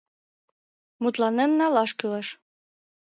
Мутланен налаш кӱлеш.